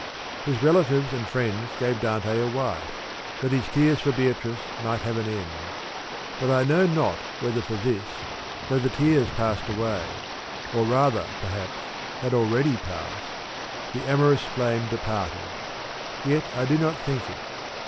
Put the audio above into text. His relatives and friends gave Dante a wife, that his tears for Beatrice might have an end; but I know not whether for this (though the tears passed away, or rather, perhaps, had already passed), the amorous flame departed ; yet I do not think it.